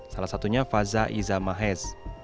salah satunya faza iza mahes